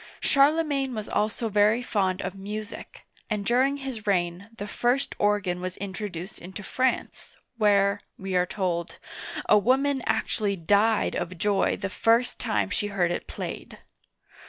Charle magne was also very fond of music, and during his reign the first organ was introduced into France, where, we are told, a woman actually died of joy the first time she heard it played.